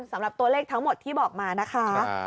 สำหรับตัวเลขทั้งหมดที่บอกมานะคะ